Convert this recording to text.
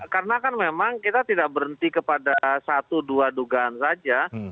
karena kan memang kita tidak berhenti kepada satu dua dugaan saja